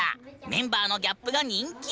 メンバーのギャップが人気！